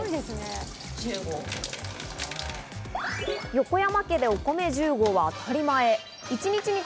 横山家でお米１０合は当たり前。